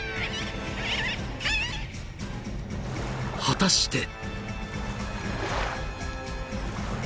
［果たして］